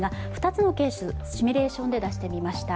２つのケース、シミュレーションで出してみました。